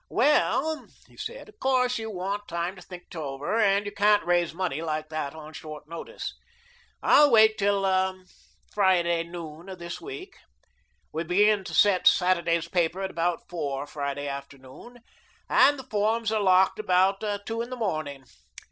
"Well," he said, "of course, you want time to think it over, and you can't raise money like that on short notice. I'll wait till Friday noon of this week. We begin to set Saturday's paper at about four, Friday afternoon, and the forms are locked about two in the morning.